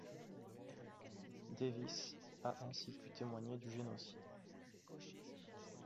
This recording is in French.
Davis a ainsi pu témoigner du génocide.